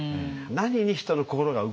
何に人の心が動くか